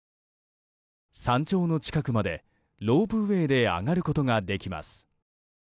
山頂の近くまでロープウェーで上がることができます。